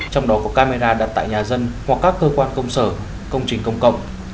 trong đó có camera đặt tại nhà dân hoặc các cơ quan công sở công trình công cộng